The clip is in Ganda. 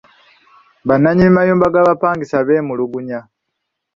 Bannannyini mayumba g'apangisibwa beemulugunya.